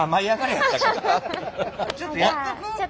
ちょっとやっとく？